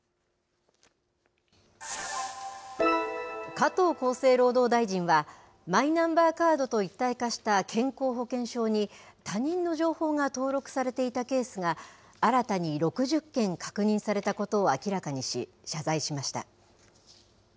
加藤厚生労働大臣は、マイナンバーカードと一体化した健康保険証に、他人の情報が登録されていたケースが、新たに６０件確認されたことを明らかにし、謝罪しました。